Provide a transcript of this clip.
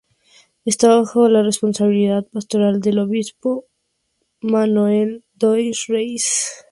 Esta bajo la responsabilidad pastoral del obispo Manoel dos Reis de Farias.